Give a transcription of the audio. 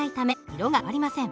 色が変わりません。